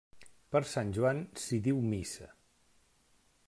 Per sant Joan s'hi diu missa.